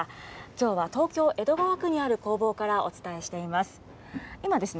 きょうは東京・江戸川区にある工房からお伝えしています。